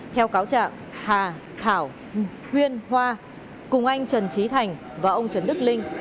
theo cáo trạng hà thảo huyên hoa cùng anh trần trí thành và ông trần đức linh